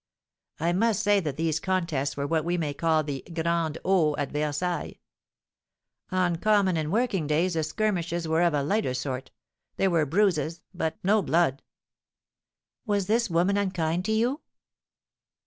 I must say that these contests were what we may call the grandes eaux at Versailles. On common and working days the skirmishes were of a lighter sort, there were bruises, but no blood." "Was this woman unkind to you?"